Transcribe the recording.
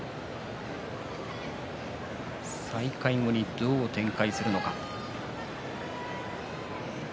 再開後にどう展開するのか。